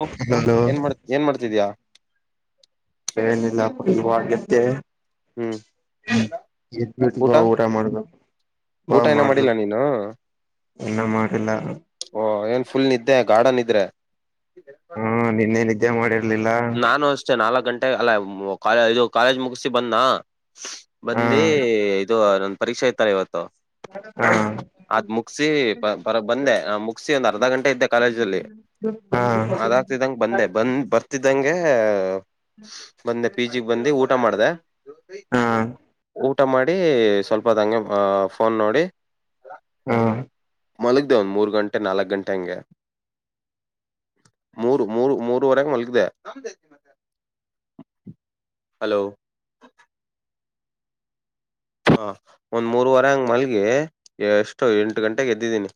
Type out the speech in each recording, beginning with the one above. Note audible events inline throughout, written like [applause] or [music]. ಹ ಹಲೋ ಏನ್ ಮಾಡ್ತ್ ಏನ್ ಮಾಡ್ತಿದ್ಯಾ. ಏನಿಲ್ಲಪ್ಪ. ಇವಾಗ್ ಎದ್ದೆ ಹ್ಮ್ ಹ್ಮ್ ಎದ್ ಬಿಟ್ ಬಾ ಊಟ ಮಾಡ್ಬೇಕು ಬಾ ಊಟ ಏನ ಮಾಡಿಲ್ಲ ಮಾಡ್ಬೇಕು. ನೀನು ಇನ್ನ್ ಮಾಡಿಲ್ಲ. ಓ ಏನ್ ಫುಲ್ ನಿದ್ದೆ ಗಾಡ ನಿದ್ರೆ. ಹಾ ನೆನ್ನೆ ನಿದ್ದೆ ಮಾಡಿ ನಾನು ಅಷ್ಟೇ ನಾಲ್ಕ್ ಗಂಟೆಗ್ ಅಲ್ಲ ಕಾಲೇಜು. ಕಾಲೇಜ್ ಮುಗ್ಸಿ ಬಂದ್ನಾ. ಹಾ ಬಂದಿ ಇದು ಒಂದ್ ಪರೀಕ್ಷೆ ಇತಲ್ಲ ಇವತ್ತು ಹಾ ಅದ್ ಮುಗ್ಸಿ ಬರ ಬಂದೆ ಮುಗ್ಸಿ ಒಂದ್ ಅರ್ಧ ಗಂಟೆ ಇದ್ದೆ ಕಾಲೇಜಲ್ಲಿ ಹಾ ಅದಾಗ್ತಿದ್ದಂಗ ಬಂದೆ ಬಂದ್ ಬರ್ತ ದೆಂಗೆ ಬಂದೆ ಪಿಜಿಗ್ ಬಂದೆ ಊಟ ಮಾಡ್ದೆ. ಹಾ ಊಟ ಮಾಡಿ ಸ್ವಲ್ಪ ಹೋತ್ ಹಂಗೆ ಫೋನ್ ನೋಡಿ. ಹ್ಮ್ ಮಲಗ್ದ ಒಂದ್ ಮೂರು ಗಂಟೆ ನಾಲ್ಕ್ ಗಂಟೆ ಹಂಗೆ ಮೂರು ಮೂರು ಮೂರವರೆಗೆ ಮಲಗ್ದೆ ಹಲೋ. ಹಾ ಒಂದ್ ಮೂರುವರೆ ಹಂಗ್ ಮಲ್ಗಿ ಎಷ್ಟೋ ಎಂಟು ಗಂಟೆಗೆ ಎದ್ದಿದ್ದೀನಿ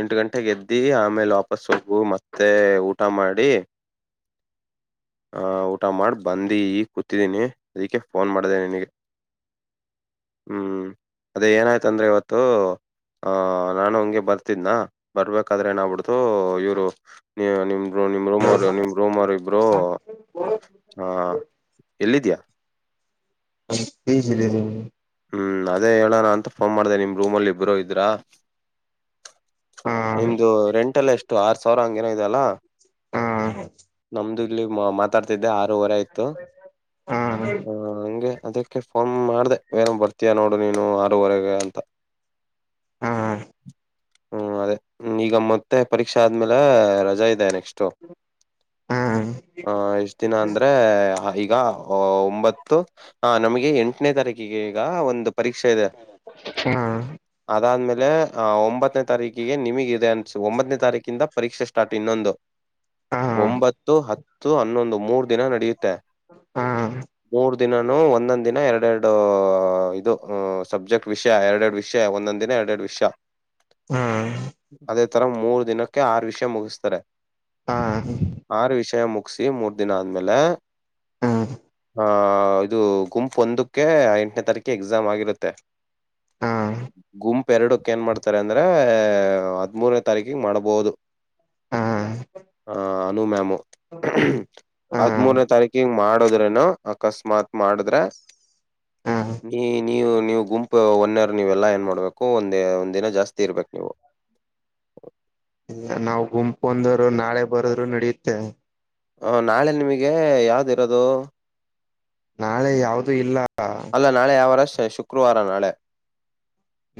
ಎಂಟ್ ಗಂಟೆಗೆ ಎದ್ದಿ ಆಮೇಲೆ ವಾಪಸ್ಸ ಹೊಗು ಮತ್ತೆ ಊಟ ಮಾಡಿ ಆ ಊಟ ಮಾಡಿ ಬಂದಿ ಈಗ್ ಕೂತಿದ್ದೀನಿ ಅದಕ್ಕೆ ಫೋನ್ ಮಾಡ್ದೆ ನಿನಗೆ. ಹ್ಮ್ ಅದೇ ಏನಾಯ್ತು ಅಂದ್ರೆ ಇವತ್ತು ಆಹ ನಾನು ಹಂಗೆ ಬರ್ತಿದ್ನಾ ಬರ್ಬೇಕಾದ್ರೆ ಏನಾಗ್ಬಿಡ್ತು ಇವ್ರು ನೀ ನಿಮ್ ಬ್ರೊ ನಿಮ್ ರೂಮ್ ಅವ್ರ್ ಹಾ ನಿಮ್ ರೋಮೊರ್ ಇಬ್ರು ಹಾ. ಎಲ್ಲಿದ್ಯಾ ಅ ಪಿಜಿಲ್ ಇದೀನಿ. ಹ್ಮ್ ಅದೇ ಹೇಳಣ ಅಂತ ಫೋನ್ ಮಾಡ್ದೆ ನಿಮ್ ರೂಮಲ್ ಇಬ್ರು ಇದ್ರಾ. ನಿಮ್ದು ರೆಂಟ್ ಎಲ್ಲ ಎಷ್ಟು ಆರ್ ಸಾವ್ರ ಹಂಗೆನೋ ಇದ್ಯಲ್ಲ. ಹಾ ನಮ್ದು ಇಲ್ಲಿ ಮಾತಾಡ್ತಿದ್ದೆ ಆರುವರೆ ಆಯ್ ತು ಹ ಹಂಗೆ. ಅದಕ್ಕೆ ಫೋನ್ ಮಾಡ್ದೆ ವೇನ್ ಬರ್ತೀಯಾ ನೋಡು ನೀನು ಆರೂವರೆಗೆ ಅಂತ. [unintelligible] ಹ್ಮ್ ಅದೆ ಮ್ ಈಗ ಮತ್ತೆ ಪರೀಕ್ಷೆ ಆದ್ಮೇಲೆ ರಜಾ ಇದೆ. ಎಷ್ಟೋ. ಹಾ ಹ ಎಷ್ಟ ದಿನ ಅಂದ್ರೆ ಆಯ್ ಈಗ ಒಂಬತ್ತು ಆ ನಮ್ಗೆ ಎಂಟನೇ ತಾರೀಕಿಗೆ ಈಗ ಒಂದ್ ಪರೀಕ್ಷೆ ಇದೆ. ಹಾ ಅದಾದ್ಮೇಲೆ ಒಂಬತ್ತನೇ ತಾರೀಕಿಗೆ ನಿಮಿಗ್ ಇದೆ ಅನ್ಸ ಒಂಬತ್ತನೇ ತಾರೀಕಿಂದ ಪರೀಕ್ಷೆ ಸ್ಟಾರ್ಟ್ ಇನ್ನೊಂದು. ಹಾ ಹಾ ಹಾ ಹಾ ಹಾ ಹಾ ಒಂಬತ್ತು ಹತ್ತು ಹನ್ನೊಂದು ಮೂರ್ ದಿನ ನಡ್ಯುತ್ತೆ, ಮೂರ್ ದಿನನೂ ಒಂದೊಂದ್ ದಿನ ಎರ್ಡೆರ್ಡು ಇದು ಸಬ್ಜೆಕ್ಟ್ ವಿಷ್ಯ ಎರ್ಡೆರ್ಡ್ ವಿಷ್ಯ ಒಂದೊಂದ್ ದಿನ ಎರ್ಡ್ ಎರ್ಡ್ ವಿಷ್ಯ ಅದೇ ತರ ಮೂರ್ ದಿನಕ್ಕೆ ಆರು ವಿಷ್ಯ ಮುಗ್ಸ್ತಾರೆ. ಆರು ವಿಷಯ ಮುಗ್ಸಿ ಮೂರ್ ದಿನ ಆದ್ಮೇಲೆ ಹಾ ಹಾ ಆಹ ಇದು ಗುಂಪ್ ಒಂದಕ್ಕೆ ಎಂಟ್ನೇ ತಾರೀಕೆ ಎಕ್ಸಾಮ್ ಆಗಿರುತ್ತೆ ಹಾ ಗುಂಪ್ ಎರುಡ್ಕ್ ಏನ್ ಮಾಡ್ತಾರ್ ಅಂದ್ರೆ ಹದ್ಮೂರ್ನೇ ತಾರೀಕಿಗ್ ಮಾಡ್ಬೊದು. ಹ ಅನು ಮ್ಯಾಮು ಹದ್ಮೂರ್ನೇ ತಾರೀಕಿಗೆ ಮಾಡುದ್ರೇನು ಅಕಸ್ಮಾತ್ ಮಾಡಿದ್ರೆ ನೀ ನೀವು ನೀವು ಗುಂಪ್ ಒನೆವ್ರ್ ನೀವೆಲ್ಲಾ ಏನ್ ಮಾಡ್ಬೇಕು ಒಂದ್ ಒಂದಿನ ಜಾಸ್ತಿ ಇರ್ಬೇಕು ನೀವು. ಇಲ್ಲ ನಾವ್ ಗುಂಪು ಒಂದೋರ್ ನಾಳೆ ಬರುದ್ರು ನಡ್ಯುತ್ತೆ. ಹ ನಾಳೆ ನಿಮಿಗೆ ಯಾವ್ದಿರೋದು. ನಾಳೆ ಯಾವ್ದೂ ಇಲ್ಲ. ಅಲ್ಲ ನಾಳೆ ಯಾವ್ವಾರ. ಶುಕ್ರವಾರ ನಾಳೆ.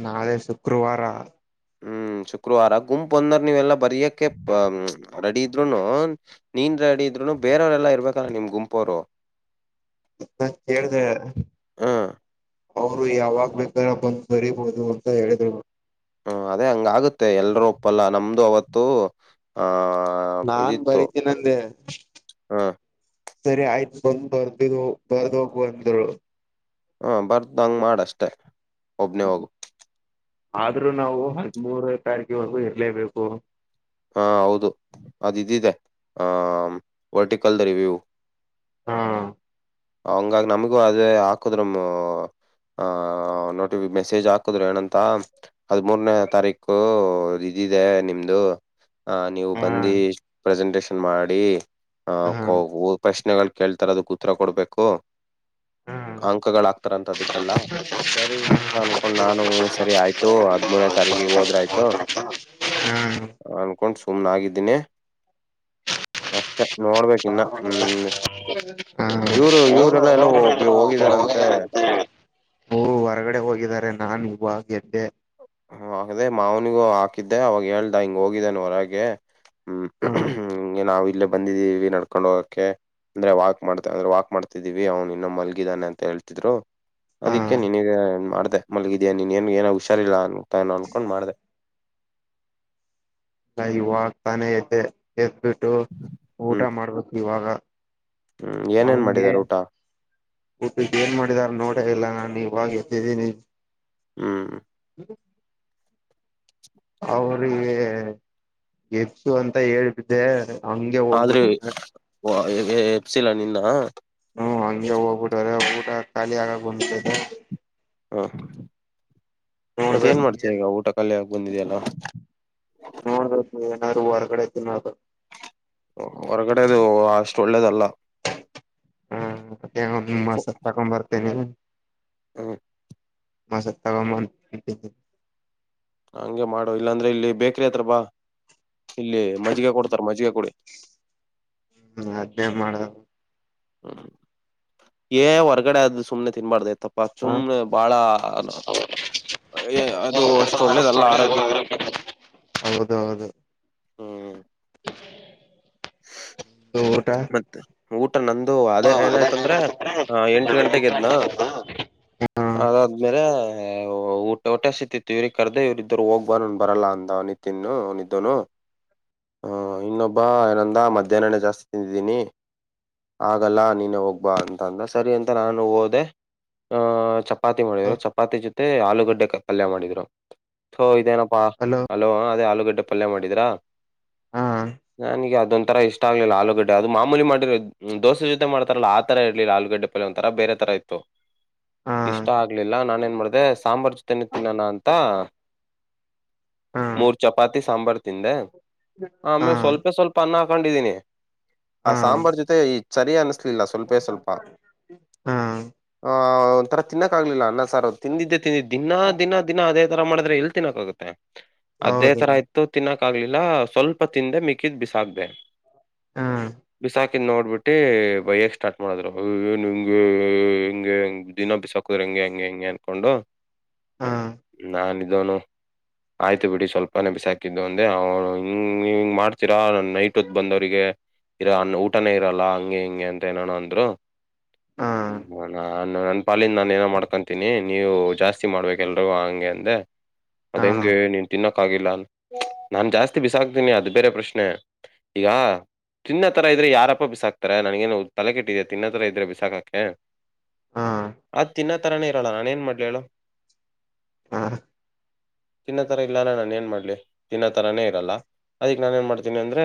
ನಾಳೆ ಶುಕ್ರವಾರ. ಹ್ಮ್ ಶುಕ್ರವಾರ ಗುಂಪ್ ಒಂದ್ರ್ ನೀವೆಲ್ಲ. ಬರಿಯಕ್ಕೆ ಹ್ಮ್. ರೆಡಿ ಇದ್ರುನು ನೀನ್ ರೆಡಿ ಇದ್ರುನು ಬೇರೆಯವರೆಲ್ಲಾ ಇರ್ಬೇಕಲ್ಲ ನಿಮ್ ಗುಂಪೋರು. ನಾನ್ ಕೇಳ್ದ ಹ್ಮ್, ಅವ್ರು ಯಾವಾಗ್ ಬೇಕಾರ ಬಂದ್ ಬರಿಬೋದು ಅಂತ ಹೇಳಿದ್ರು. ಹ್ಮ ಅದೇ ಹಂಗ್ ಆಗುತ್ತೆ ಎಲ್ರೂ ಒಪ್ಪಲ್ಲ ನಮ್ದು ಅವತ್ತು ಆಹ. ನಾನ್ ಬರಿತೀನಂದೆ. ಹಾ, ಸರಿ ಆಯ್ತು ಬಂದ್ ಬರ್ದ ಬರ್ದ ಹೋಗು ಅಂದರು ಹ ಬರ್ದ್ಂಗ್ ಮಾಡಷ್ಟೆ ಒಬ್ಬನೇ ಹೋಗು ಆದ್ರೂ ನಾವು ಹದಿಮೂರನೆ ತಾರೀಕವರೆಗೂ ಇರ್ಲೇಬೇಕು ಹಾ ಹೌದು ಅದ ಇದಿದೆ ಆ ವರ್ಟಿಕಲ್ ದ ರಿವ್ಯೂವು ಹಾ ಹಂಗಾಗ ನಮಗೂ ಅದೇ ಹಾಕದ್ರ ಆ ನೋಟಿ ಮೆಸೇಜ್ ಹಾಕಿದ್ರು ಏನಂತ ಅದ್ ಮೂರನೇ ತಾರೀಕು ಹೌದು ಇದಿದೆ ನಿಮ್ದು ಹ ನೀವು ಹಾ ಬಂದಿ ಪ್ರೆಸೆಂಟಷನ್ ಮಾಡಿ ಹ ಹಾ ಕೊ ಪ್ರಶ್ನಗಳು ಕೇಳ್ತಾರ ಅದಕ್ ಉತ್ತರ ಕೊಡ್ಬೇಕು ಹ್ಮ್ ಅಂಕಗಳು ಹಾಕ್ತಾರಂತ ಅದಕ್ಕೆಲ್ಲ ಸರಿ ಅಂತ ಅನ್ಕೊಂಡ್ ನಾನು ಸರಿ ಆಯ್ತು ಹದ್ಮೂರನೇ ತಾರೀಕಿಗೆ ಹೋದ್ರ ಆಯ್ತು [inaudible] ಅನ್ಕೊಂಡ ಸುಮ್ನೆ ಆಗಿದ್ದೀನಿ ಅಷ್ಟೇ ಹ ಹ ಇವ್ರು [unintelligible] ಇವ್ರೆಲ್ಲ ಎಲ್ಲ ಹೋಗಿದಾರಂತೆ ಹೊರಗಡೆ ಹೋಗಿದ್ದಾರೆ ನಾನು ಇವಾಗ ಎದ್ದೆ ಹ ಅದೆ ಮಾವನಿಗೂ ಹಾಕಿದ್ದೆ ಅವಾಗ ಹೇಳ್ದ ಹಿಂಗ್ ಹೋಗಿದ್ದಾನ ಹೊರಗೆ ಹ್ಮ್ ಹ್ಮ [unintelligible] ಇಲ್ಲ ಬಂದಿದ್ದೀವಿ ನಡ್ಕೊಂಡು ಹೋಗಕ್ಕೆ ಅಂದ್ರೆ ವಾಕ್ ಮಾಡ್ತ ಅಂದ್ರೆ ವಾಕ್ ಮಾಡ್ತಿದೀವಿ ಅವ್ನು ಇನ್ನ ಮಲಗಿದಾನೆ ಅಂತ ಹೇಳ್ತಿದ್ರು ಅದಿಕ್ಕೆ ಹ ನೀನಗ ಮಾಡತ ಮಲಗಿದಾ ನೀನ್ ನ್ ಏ ಹುಷಾರಿಲ್ಲ ಅನು ತಾನ ಅನ್ಕೊಂಡ ನಾಲ್ಕೊಂಡು ಮಾಡಿದೆ ನಾ ಇವಾಗ್ತಾನೆ ಎದ್ದೆ ಎದ್ ಬಿಟ್ [unintelligible] ಊಟ ಹ್ಮ್ ಮಾಡ್ಬೇಕು ಇವಾಗ ಹ್ಮ್ ಏನೇನ್ ಅವನ್ಗೆ ಮಾಡಿದಾರ ಊಟ ಊಟ್ ಏನ್ ಮಾಡಿದಾರ ನೋಡ ಇಲ್ಲ ನಾನು ನೀವಾಗ ಎತಿದ್ದೀನಿ ಹ್ಮ್ ಅವ್ರಿಗೆ ಗಿಫ್ಟು ಅಂತ ಹೇಳ್ಬಿದ್ದೆ ಹಂಗೆ ಆದ್ರೆ ಹೋಗ್ಬಿಟ್ಟ ಎಪ್ಸಿಲ ನಿನ್ನ ಹೋಗ್ಬಿಟ್ಟು ಹೊರಗ್ಬಿಟ್ಟ [inaudible] ಬ [inaudible] ಹಾ ಮತ್ತೆ ಏನ್ ಮಾಡ್ತಾರೆ ನೋಡ್ಬೇಕು ಈಗ ಊಟ ಕಲ್ಯಾಗಿ ಬಂದಿದೆಯಲ್ಲ ನ ಹೊರ ಕಡೆನ [unintelligible] ಹೊರಗಡೆದು ಅಷ್ಟು ಒಳ್ಳೇದಲ್ಲ ಹ್ಮ್ ಏನೋ ಮಾಸತ್ ತಕೊಂಡ್ ಬರ್ತಿನಿ. ಹ್ಮ್ ಮಾಸತಗಮ್ಮ್. ಹಂಗೆ ಮಾಡು ಇಲ್ಲಾಂದ್ರೆ ಇಲ್ಲಿ ಬೇಕ್ರಿ ಹತ್ರ ಬಾ ಇಲ್ಲಿ ಮಜ್ಗೆ ಕೊಡ್ತಾರೆ ಮಜ್ಗೆ ಕುಡಿ. ಹ್ಮ ಅದ್ನೇ ಮಾಡದು. ಹ್ಮ್ ಏ ಹೊರ್ಗಡೆ ಆದ್ ಸುಮ್ನೆ ತಿನ್ಬಾರ್ದ. ತಪ್ಪಾ ಹ ಸುಮ್ಮನ್ ಬಾಳ ಎ ಅದು ಅಷ್ಟ ಒಳ್ಳೇದಲ್ಲ ಆರೋಗ್ಯಕ್ಕೆ ಹೌದೌದು ಹ್ಮ್. [unintelligible] ದು ಊಟಾ. ನಾವುದ್ ನಂದು ಅದೇ ಏನಾಯ್ತಂದ್ರೆ ಎಂಟ್ ಗಂಟೆಗೆದ್ನ ಅದಾದ್ಮೇಲೆ. ಎ ಊಟ್ ಹೊಟ್ಟೆ ಹಸಿತ್ತಿತ್ ಇವ್ರಿಗೆ ಕರ್ದ ಇವ್ರ ಇದ್ದರು ಹೋಗ್ ಬಾ ನಾ ಬರಲ್ಲ ಅಂದ ನಿತಿನ್ ಅವನಿದ್ದನು ಆ ಇನ್ನೊಬ್ಬ ಏನಂದ ಮಧ್ಯಾಹ್ನನೇ ಜಾಸ್ ಸ್ತಿ ತಿಂದ್ದೀನಿ ಆಗಲ್ಲ ನೀನೆ ಹೋಗ್ಬಾ ಅಂತ ಅಂದ ಸರಿ ಅಂತ ನಾನು ಹೋದೆ ಹ ಚಪ್ಪ ಚಪಾತಿ ಮಾಡಿದ್ರು ಚಪಾತಿ ಜೊತ್ ಮತ್ತೆ ಆಲೂಗಡ್ಡೆ ಪಲ್ಯ ಮಾಡಿದ್ರು ತೊ ಇದೇನಪ್ಪ. ಹಾ ಹಲೋ ಅದೇ ಆಲೂಗದ್ದ್ ಪಲ್ಯ ಮಾಡಿದ್ರಾ ಹಾ ನನಗೆ ಅದೊಂತರ ಇಷ್ಟ ಆಗ್ಲಿಲ್ಲ ಆಲೂಗಡ್ ಅದು ಮಾಮೂಲಿ ಮಾಡಿರ ದೋಸೆ ಜೊತೆ ಮಾಡ್ತಾರಲ್ಲ ಆ ತರ ಇರ್ಲಿಲ್ಲ ಆಲೂಗಡ್ಡೆ ಪಲ್ಯ ಒಂತರಾ ಬೇರೆ ತರ ಇತ್ತು. ಹಾ ಇಷ್ಟ ಆಗ್ಲಿಲ್ಲ ನಾನ ಏನ್ ಮಾಡ್ದ. ಅ ಸಾಂಬಾರ್ ಜೊತೆನೆ ತಿನ್ನೋಣ ಅಂತ ಹಾ ಮೂರ್ ಚಪಾತಿ ಸಾಂಬಾರ್ ತಿಂದೆ ಹಾ ಆಮೇಲೆ ಸ್ವಲ್ಪೇ ಸ್ವಲ್ಪ ಅನ್ನ ಹಾಕ್ ಕೊಂಡಿದ್ದೀನಿ. ಆ ಹಾ ಸಾಂಬಾರ್ ಜೊತೆ ಈ ಚರಿ ಅನ್ನ ಲ್ಲ ಸ್ವಲ್ಪೇ ಸ್ವಲ್ಪಾ. ಹಾ ಆ ಒಂಥರ ತಿನ್ನಕ್ ಆಗ್ಲಿಲ್ಲ ಅನ್ನ ಸಾರ್ ತಿಂದಿದ್ದೆ ತಿಂದಿದ್ದೆ ದಿನಾ ದಿನ ದಿನಾ ಅದೇ ತರ ಮಾಡಿದ್ರೆ ಎಲ್ಲಿ ತಿನ್ನಕ್ ಆಗುತ್ತೆ. ಅದೇ ಹೌದು ತರ ಇತ್ತು ತಿನ್ನಕ್. ಕ ಆಗ್ಲಿಲ್ಲ ಸ್ವಲ್ಪ ತಿಂದೆ ಮಿಕ್ಕಿದ್ ಬಿಸಾಕ್ಡೆ. ಹಾ ಬಿಸಾಕಿದ್ದು ನೋಡ್ಬಿಟ್ಟು ಬೈಯಕ್ ಸ್ಟಾರ್ಟ್ ಮಾಡಿದ್ರು ಓಯೆ ಎನ್ ಹಿಂಗೆ ಹಂಗಗೆ ಹಿಂಗೆ ಹಂಗ ದಿನ ಬಿಸಾಕದ್ರ ಹಂಗೆ ಹಂಗೆ ಹಂಗೆ ಅನ್ಕೊಂಡು ಹಾ ನಾನಿದ್ದವನು ಆಯ್ತು ಬಿಡಿ ಸ್ವಲ್ಪನೇ ಬಿಸಾಕಿದ್ದು ಅಂದೆ ಅವ್ನು ಹಿಂಗೆ ನೀ ಹಿಂಗೆ ಮಾಡ್ತೀರಾ ನೈಟ್ ಹೊತ್ತು ಬಂದವರಿಗೆ ಇರ ಅ ಊಟನೇ ಇರಲ್ಲ ಹಂಗೆ ಹಿಂಗೆ ಅಂತ ಏನಾನ ಅಂದ್ರು ಹಾ ನನ್ ಪಾಲಿಂದ ನಾನು ಏನೋ ಮಾಡ್ಕೊತೀನಿ ನೀವು ಜಾಸ್ತಿ ಮಾಡ್ಬೇಕ ಎಲ್ರುೂ ಹಂಗೆ ಅಂದೆ. ಅದ್ ಹಾ ಹೆಂಗೆ ನೀನ್ ತಿನ್ನಕ್ಕ ಆಗಿಲ್ಲ ನಾನ್ ಜಾಸ್ತಿ ಬಿಸಾಕ್ತೀನಿ ಅದು ಬೇರೆ ಪ್ರಶ್ನೆ ಈಗ. ತಿನ್ನ ತರ ಇದ್ರೆ ಯಾರಪ್ಪ ಬಿಸಾಕ್ತಾರೆ ನನಗೇನು ತಲೆ ಕೆಟ್ಟಿದೆ ತಿನ್ನ ತರ ಇದ್ರೆ ಬಿಸಾಕಾಕೆ. ಹಾ ಆ ತಿನ್ನ ತರಾನೇ ಇರಲ್ಲ ನಾನೇನು ಮಾಡಲಿ ಹೇಳು. ಹ ಹಾ. ತಿನ್ನತರ ಇಲ್ಲಲ್ಲ ನಾನು ಏನ್ ಮಾಡ್ಲಿ ತಿನ್ನತರಾನೇ ಇರಲ್ಲ ಅದಿಕ್ ನಾನ ಏನ್ ಮಾಡತೀನಿ ಅಂದ್ರೆ.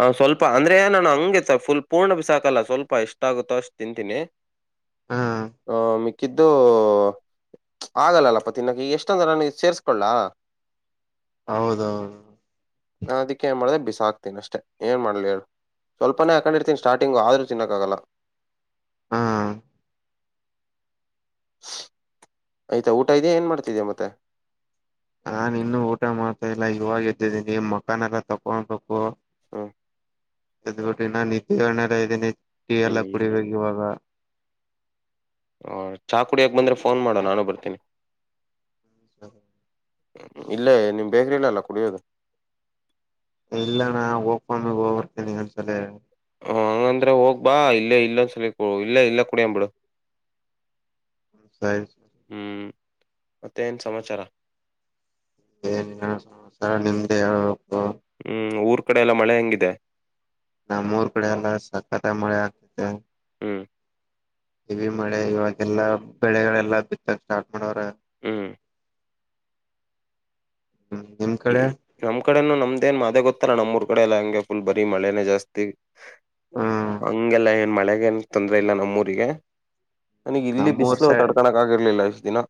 ಹ ಸ್ವಲ್ಪ ಅಂದ್ರೆ ನಾನು ಹಂಗಗೆ ಫುಲ್ ಪೂರ್ಣ ಬಿಸಾಕಲ್ಲ ಸ್ವಲ್ಪ ಇಷ್ಟಾಗುತ್ತೋ ಅಷ್ಟು ತಿಂತೀನಿ ಹಾ ಹ ಮ [inaudible] ಕಿದ್ದು ಆಗಲ್ಲಲ್ಲಪ್ಪ ತಿನ್ನಕ ಎಷ್ಟೊಂದ ನನಗೆ ಸೇರ್ಸ್ಕೊಳ್ಳ ಹೌದೌದು ನಾದಕ್ಕೆ ಏನ್ ಮಾಡಿದೆ ಬಿಸಾಕ [inaudible] ಿ ಅಷ್ಟೇ ಏನ್ ಮಾಡ್ಲಿ ಹೇಳು ಸ್ವಲ್ಪನೇ ಹಾಕೊಂಡಿರ್ತೀನಿ ಸ್ಟಾರ್ಟಿಂಗು ಆದ್ರೂ ಚಿನ್ನಕ್ಕ ಆಗಲ್ಲ ಹಾ [unintelligible] ಆಯ್ತಾ ಊಟ ಇದೆಯಾ ಏನ್ ಮಾಡ್ತಿದ್ದೀ ಮತ್ತೆ ನಾನ್ ಇನ್ನು ಊಟ ಮಾಡ್ತಾ ಇಲ್ಲ ಇವಾಗ ಎದ್ದಿದ್ದೀನಿ ಮುಖನ ತುಳ್ಕೋಬೇಕು [unintelligible] ಹಾ [unintelligible] ಯದ್ ಬಿಟಿನಿ ನನ್ ನಿಧಿ ಗಣಗ ಅದಿನಿ [unintelligible] ಟೀ ಎಲ್ಲ ಹ್ಮ್ ಕುಡಿಬೇಕು ಇವಾಗ [unintelligible] ಹ ಚಾಕುಡಿಯಕ ಬಂದ್ರೆ ಫೋನ್ ಮಾಡು ನಾನು ಬರ್ತೀನಿ [unintelligible] [inaudible] ಇಲ್ಲೇ ನಿಮ್ ಬೇಕ್ರ ಇಲ್ಲ ಅಲ್ಲ ಕುಡಿಯೋದು [unintelligible] ಇಲ್ಲ ಅಣ್ಣ ಒಬ್ಬನೆ ಹೋಗ್ಬರ್ತಿನಿಅಂಸ್ತಾದೆ [unintelligible] ಆ ಹಂಗಂದ್ರೆ ಹೋಗ್ ಬಾ ಇಲ್ಲೇ ಇಲೆ ಸಿಗರೇಟ್ ಇಲ್ಲ ಇಲ್ಲ ಕುಡಿಯಂಬ ಬಿಡು [unintelligible] [inaudible] ಮತ್ತೆ ಎನ್ ಸಮಾಚಾರ ಇಯನ್ರಪ್ಪ ನಿಮ್ಮದು ಏದ್ರಪ್ಪ [unintelligible] ಹ್ಮ್ ಊರ್ ಕಡೆ ಎಲ್ಲ ಮಳೆ ಹೆಂಗಿದೆ [unintelligible] ನಮೂರುಕಡೆ ಎಲ್ಲ ಸಕ್ಕತಅಗಿ ಮಳೆ ಆಗ್ತದೆ [unintelligible] ಹ್ಮ್ [unintelligible] ಇಲ್ಲಿ ಮಳೆ ಇವಾಗೆಲ್ಲಾ ಬೆಳೆಗಳೆಲ್ಲ ಬಿತುತ್ತವೆ [unintelligible] ಮನೆಯವುರೆ [unintelligible] ಹ್ಮ್ ಹ್ಮ್ ನಿಮ್ ಕಡೆ ನಮ್ ಕಡೆನು ನಮ್ [unintelligible] ನಮ್ದ ಏನ್ ಮಾದೇ ಗೊತ್ತಲ್ಲ ನಮೂರಕಡೆಯಲ್ಲ ಯಂಗೆ ಫುಲ್ ಬರಿ ಮಳೆನನೆ ಜಾಸ್ತಿ [unintelligible] ಹ್ಮ್ ಅಂಗೆಲ್ಲ [unintelligible] ಮಳೆೆಗೆ ಏನ್ ತೊಂದ್ರೆ ಇಲ್ಲ ನಮ್ಮೂಊರಿಗೆ [unintelligible] ನನಗೆ ಇಲ್ಲಿ ನಮ್ಮೂರ್ ಬಿಸ್ಲು ಸೈಡ್ ತಡ್ಕೋಕ್ ಆಗಿರ್ಲಿಲ್ಲ [unintelligible] ದಿನ [unintelligible]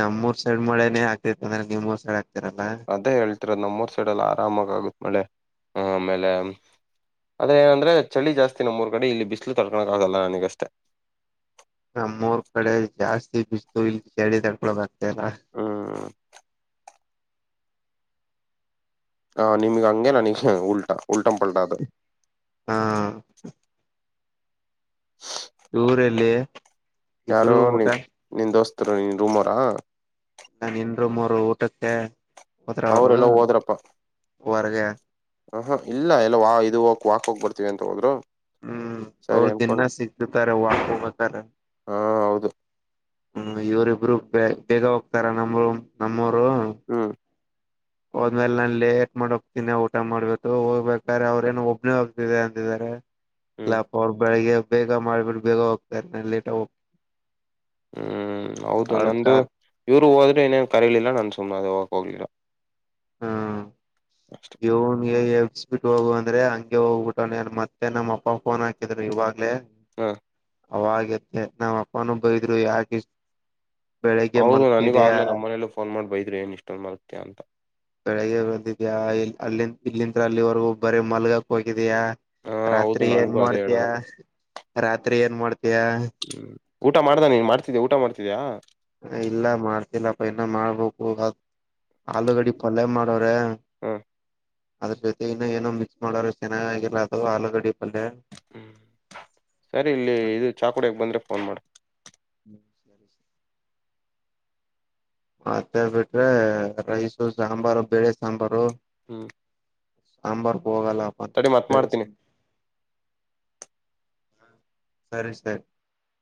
ನಮ್ಮೂರ್ ಸೈಡ್ ಮಳೆನೇ ಆಗ್ತಿ ಅಂದ್ರೆ ನಿಮೂರು ಸೈಡ್ ಆಗ್ತಿ [unintelligible] ಅದೇ ಹೇಳ್ತಿರ ನಮ್ಮೂರ್ ಸೈಡ್ಲ್ಲ ಆರಾಮಾಗಗತ್ತೆ ಮಳೆ [unintelligible] ಆ ಆಮೇಲೆ ಅ ಆದ್ರೆ ಏನಂದ್ರೆ ಚಳಿ ಜಾಸ್ತಿ ನಮ್ಮೂರ್ ಕಡೆ ಇಲ್ಲಿ ಬಿಸಿಲು ತಡ್ಕೊಳಕೆ ಆಗಲ್ಲ ನನಗಷ್ಟೆ [unintelligible] ನಮ್ಮೂರು ಕಡೆ ಜಾಸ್ತಿ ಪಿಸ್ತುಲ್ ಇಲ್ಲಿ ಚಡಿ ತಡ್ಕೊಬ [unintelligible] ಯಲ್ಲ ಹ್ಮ್ [unintelligible] ಹ ನಿಮಗೆ ಹಂಗೆ ನನಗ್ ಉಲ್ಟಾ [unintelligible] ಉಲ್ಟಂ ಪಲ್ಟಾದ ಹಾ [unintelligible] [inaudible] ಊರಲ್ಲಿ [unintelligible] ಯಾರು ಇಬ್ರು ಊಟ ನಿನ್ ದುಸ್ತ್ [unintelligible] ನಿಮ್ ರೂಮರಾ ನಿನ್ ರೂಮ್ ಅವರು ಊಟಕ್ಕೆ ಅವರೆಲ್ಲ ಹೋದ್ರಪ್ಪ ವರಗೆ ಹ ಹಾ ಇಲ್ಲ ಎಲ್ಲ ವಾ ಇದು ಹೋಗ ವಾಕ್ ಹೋಗ್ ಬರ್ತೀವಿ ಅಂತ ಹೋದ್ರು ಹ್ಮ್ ಸರಿ ಅವ್ರ ಅನ್ಕೊಂಡ್ ದಿನಾ ಸಿಗ್ತಾರೆ ವಾಕ್ ಹೋಗಬೇಕಾದರೆ ಹಾ ಹೌದು ಹ್ಮ ಇವರಿ ಇಬ್ರು ಬ ಬೇಗ ಹೋಗ್ತಾರ ನಮ ನಮ್ಮ ಹ್ಮ ಹೋದ್ಮೇಲೆ ನಾನು ಲೇಟ್ ಮಾಡೋಗ್ತೀನಿ ಊಟ ಮಾಡ್ಬೇಕು ಹೋಗ್ಬೇಕಾದ್ರೆ ಅವ್ರೇನ ಒಬ್ಬನೇ ಹೋಗ್ತಿದೆ ಅಂತಿದಿದ್ದಾರೆ ಹ್ಮ್ ಇಲ್ಲಪ ಅವರ್ ಬೆಳಿಗ್ಗೆ ಬೇಗ ಮಾಡ್ಬಿಟ್ಟು ಬೇಗ ಹೋಗ್ತಾ ನ ಲೇಟ ಹೋಗ ಹ್ಮ್ ಹೌದು ನಂದು ಕಾರ್ ಇವ್ರು ಹೋದ ಮತ್ತಿನ್ನೇನು ಕರೆಯಲಿಲ್ಲಲ್ಲ ನಾನು ಸುಮ್ಮನಾದೆ ಹೋಗಲಿರ ಹ್ಮ್ ಬಿಟ್ಟ ಹೋಗುವ ಅಂದ್ರೆ ಹಂಗೆ ಹೋಗ್ಬಿಟ್ಟೆ ಮತ್ತೆ ನಮ್ಮ ಅಪ್ಪ ಫೋನ್ ಹಾಕಿದ್ರು ಇವಾಗಲೇ ಹಾ ಅವಾಗ ಎದ್ದೆ ನಾಮ್ ಅಪ್ಪನೂ ಬಯದ್ರು ಯಾಕೆ ಇಷ್ಟು ಹೌದು ನನಗೂ ಆಗ್ಲೇ ನಮ್ಮ ಮನೆಯಲ್ಲೂ ಫೋನ್ ಮಾಡಿ ಬೈದ್ರು ಏನ್ ಇಷ್ಟೊನ್ ಮಲಗ್ತೀಯಾ ಅಂತ ಬೆಳಿಗ್ಗೆ ಬಂದಿದ್ಯಾ ಇಲ್ ಅಲ್ಲಿ ಇಲ್ಲಿಂದ ಅಲ್ಲಿವರೆಗೂ ಬರ ಮಲ್ಗಾಕ್ ಹೋಗ ಯ ಹಾ ಹೌದು ರಾತ್ರಿ ಏನ್ ನನ್ಗೂ ಅದೇ ಮಾಡ್ತಯ ಹೇಳೋದು ರಾತ್ರಿ ಏನ್ ಮಾಡ್ತಯ ಹ್ಮ್ ಊಟ ಮಾಡ್ದ ನೀನ್ ಮಾಡ್ತಿದಯ ಊಟ ಮಾಡ್ತಿದಯಾ ಇಲ್ಲ ಮಾಡ್ತಿಲ್ಲಪ್ಪ ಇನ್ನ ಮಾಡ್ಬೇಕು ಹ ಹ್ಮ್ ಅದ್ರ ಜೊತೆ ಇನ್ನು ಏನೋ ಮಿಕ್ಸ್ ಮಾಡೋರು ಚೆನ್ನಾಗಾಗಿರಲ್ಲ ಅದು ಆಲೂಗಡ್ಡಿ ಪಲ್ಯ ಹ್ಮ್ ಸರಿ ಇಲ್ಲಿ ಇದು ಚಾಕುಡಿಯಗೆ ಬಂದ್ರೆ ಫೋನ್ ಮಾಡ ಬ ಮತ್ತೆ ಬಿಟ್ರೆ ರೈಸು ಸಾಂಬಾರು ಬೇಳೆ ಸಾಂಬಾರು ಹ್ಮ್ ಸಾಂಬಾರ ಹೋಗಲ್ಲಪ್ಪ ತಡಿ ಮತ್ ಮಾಡ್ತೀನಿ ಹ ಸರಿ ಸರಿ